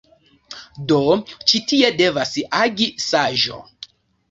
Do, ĉi tie devas agi saĝo.